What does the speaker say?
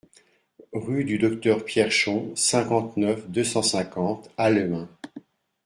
Rue du Docteur Pierchon, cinquante-neuf, deux cent cinquante Halluin